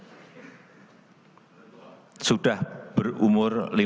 meskipun sudah berumur lima puluh tujuh tahun